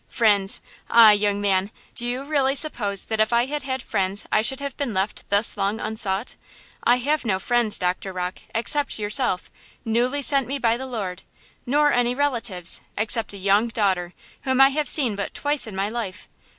"Friends! ah, young man, do you really suppose that if I had had friends I should have been left thus long unsought? I have no friends, Doctor Rocke, except yourself, newly sent me by the Lord; nor any relatives except a young daughter whom I have seen but twice in my life!